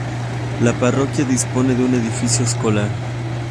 La parroquia dispone de un edificio escolar.